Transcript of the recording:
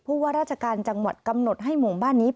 ว่าราชการจังหวัดกำหนดให้หมู่บ้านนี้